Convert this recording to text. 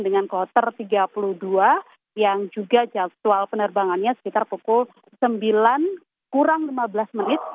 dengan kloter tiga puluh dua yang juga jadwal penerbangannya sekitar pukul sembilan kurang lima belas menit